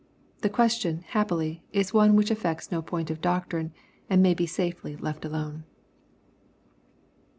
The question, happily, is one which affects no point of doctrine, and may safely be left alone.